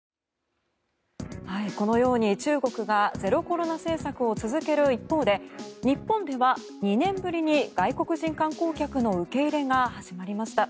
このように中国がゼロコロナ政策を続ける一方で日本では２年ぶりに外国人観光客の受け入れが始まりました。